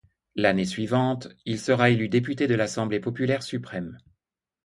L'année suivante, il sera élu député de l'Assemblée populaire suprême.